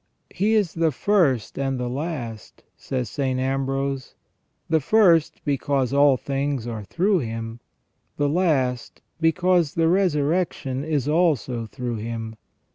" He is the first and the last," says St. Ambrose :" the first because all things are through Him, the last because the resurrection is also through Him.